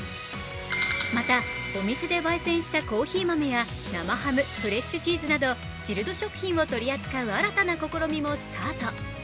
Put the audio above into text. また、お店で焙煎したコーヒー豆や生ハム、フレッシュチーズなどチルド食品を取り扱う新たな試みもスタート。